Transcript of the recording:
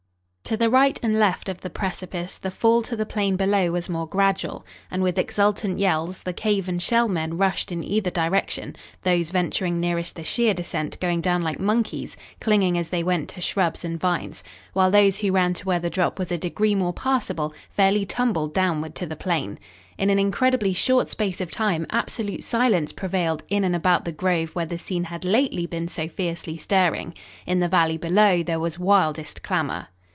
To the right and left of the precipice the fall to the plain below was more gradual, and with exultant yells, the cave and Shell men rushed in either direction, those venturing nearest the sheer descent going down like monkeys, clinging as they went to shrubs and vines, while those who ran to where the drop was a degree more passable fairly tumbled downward to the plain. In an incredibly short space of time absolute silence prevailed in and about the grove where the scene had lately been so fiercely stirring. In the valley below there was wildest clamor.